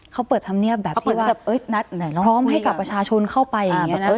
เขาเปิดทำเนียบแบบที่พร้อมให้กับประชาชนเข้าไปอย่างนี้นะคะ